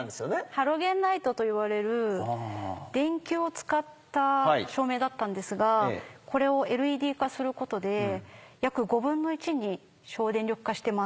ハロゲンライトといわれる電球を使った照明だったんですがこれをＬＥＤ化することで約５分の１に省電力化してます。